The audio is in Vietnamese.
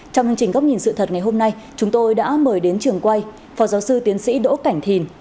trong hành trình góc nhìn sự thật ngày hôm nay chúng tôi đã mời đến trường quay phó giáo sư tiến sĩ đỗ cảnh thìn